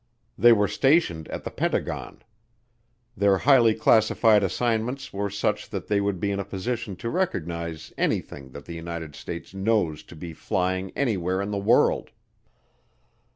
They were stationed at the Pentagon. Their highly classified assignments were such that they would be in a position to recognize anything that the United States knows to be flying anywhere in the world.